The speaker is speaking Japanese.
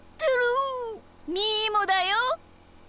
みーもだよ！